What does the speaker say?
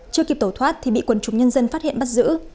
chưa kịp tẩu thoát thì bị quân chúng nhân dân phát hiện bắt giữ